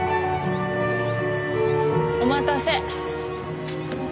お待たせ。